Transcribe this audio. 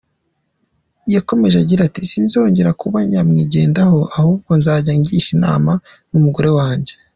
Yakomeje agira ati:"Sinzongera kuba nyamwigendaho ahubwo nzajya ngisha inama n’umugore wanjye.